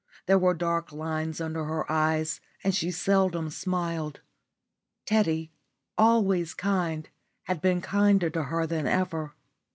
There were dark lines under her eyes, and she seldom smiled. Teddy, always kind, had been kinder to her than ever.